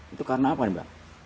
itu karena apa